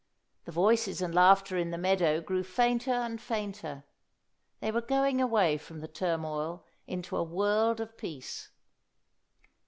The voices and laughter in the meadow grew fainter and fainter; they were going away from the turmoil into a world of peace.